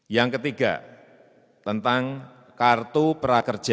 yang ketiga tentang kartu prakerja